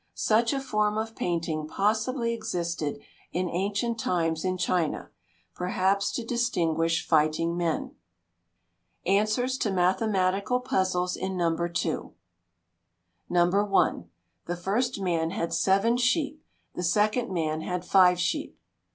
Such a form of painting possibly existed in ancient times in China perhaps to distinguish fighting men. ANSWERS TO MATHEMATICAL PUZZLES IN NUMBER 2. No. 1. The first man had 7 sheep; the second man had 5 sheep.